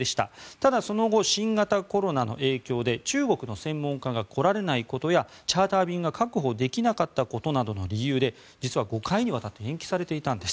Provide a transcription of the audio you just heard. ただその後、新型コロナの影響で中国の専門家が来られないことやチャーター便が確保できなかったことなどの理由で実は５回にわたって延期されていたんです。